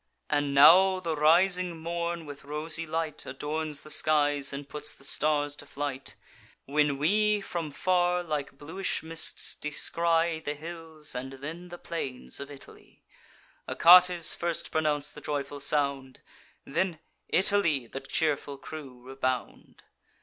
"And now the rising morn with rosy light Adorns the skies, and puts the stars to flight; When we from far, like bluish mists, descry The hills, and then the plains, of Italy. Achates first pronounc'd the joyful sound; Then, 'Italy!' the cheerful crew rebound.